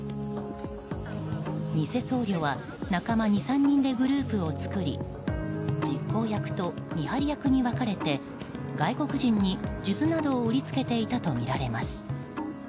ニセ僧侶は仲間２３人でグループを作り実行役と見張り役に分かれて外国人に数珠などを売りつけていたとみられます。